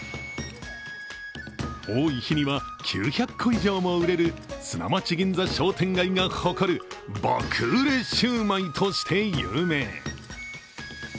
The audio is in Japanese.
多い日には９００個以上も売れる砂町銀座商店街が誇る爆売れシューマイとして有名。